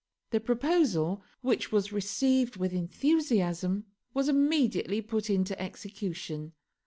The proposal, which was received with enthusiasm, was immediately put into execution.